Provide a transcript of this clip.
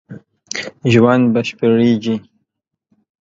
ژوند بشپړېږي